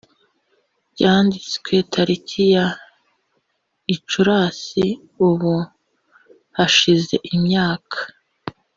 byanditswe tariki ya icurasi ubu hashize imyaka